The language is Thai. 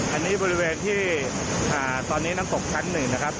อันนี้บริเวณที่ตอนนี้น้ำตกชั้นหนึ่งนะครับ